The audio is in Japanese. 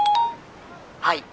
「はい。